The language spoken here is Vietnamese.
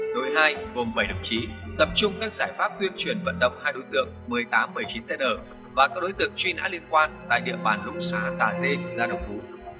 đội hai gồm bảy đồng chí tập trung các giải pháp tuyên truyền vận động hai đối tượng một mươi tám một mươi chín t và các đối tượng truy nã liên quan tại địa bàn lũng xá tà dê ra đấu thú